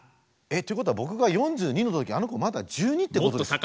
っていうことは僕が４２の時あの子まだ１２ってことですよ。